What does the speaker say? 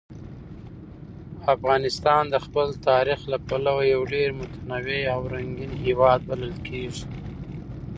افغانستان د خپل تاریخ له پلوه یو ډېر متنوع او رنګین هېواد بلل کېږي.